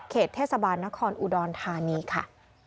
เทศบาลนครอุดรธานีค่ะ